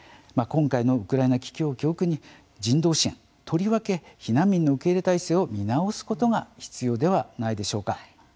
今回のウクライナ危機を教訓に人道支援、とりわけ避難民の受け入れ態勢を見直すことが必要ではないでしょうか。